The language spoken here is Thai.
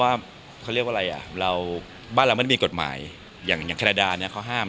อัตรีอย่างของคุณครับ